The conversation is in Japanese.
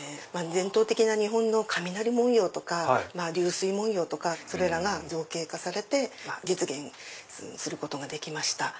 伝統的な日本の雷文様とか流水文様とかそれらが造形化されて実現することができました。